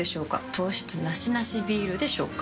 糖質ナシナシビールでしょうか？